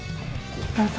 どうぞ。